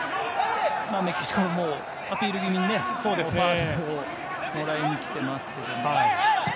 メキシコももうアピール気味にファウルをもらいにきてますけども。